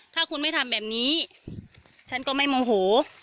ถ้าคุณไม่ทำแบบนี้ฉันก็ไม่โมโห